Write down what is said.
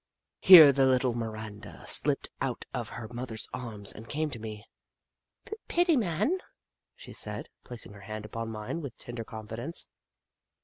Here the little Miranda slipped out of her mother's arms and came to me. " Pitty man," she said, placing her hand upon mine with tender confidence.